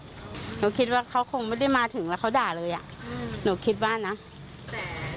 อืมหนูคิดว่าเขาคงไม่ได้มาถึงแล้วเขาด่าเลยอ่ะอืมหนูคิดว่าน่ะแต่เจ้อ้อมเนี่ย